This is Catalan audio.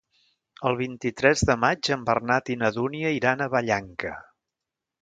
El vint-i-tres de maig en Bernat i na Dúnia iran a Vallanca.